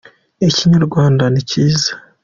ikinyarwanda nicyiza